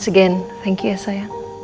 once again thank you ya sayang